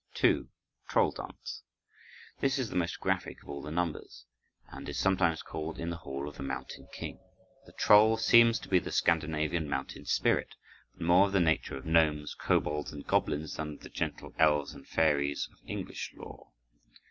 2. Troll Dance This is the most graphic of all the numbers, and is sometimes called "In the Hall of the Mountain King." The troll seems to be the Scandinavian mountain spirit, but more of the nature of gnomes, kobolds, and goblins than of the gentle elves and fairies of English lore.